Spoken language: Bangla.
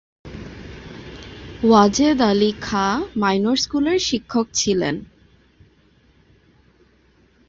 ওয়াজেদ আলী খাঁ মাইনর স্কুলের শিক্ষক ছিলেন।